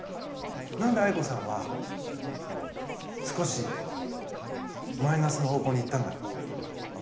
何であいこさんは少しマイナスの方向に行ったんだろう？